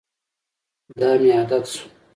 دا مې عادت شو.